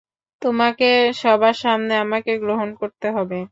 তোমাকে সবার সামনে আমাকে গ্রহণ করতে হবে।